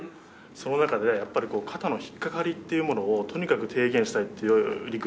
その中でやっぱり肩の引っかかりっていうものをとにかく低減したいっていうリクエストを頂きまして。